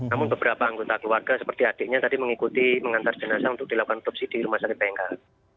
namun beberapa anggota keluarga seperti adiknya tadi mengikuti mengantar jenazah untuk dilakukan otopsi di rumah sakit bengkel